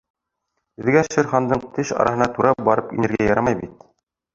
Беҙгә Шер Хандың теш араһына тура барып инергә ярамай бит.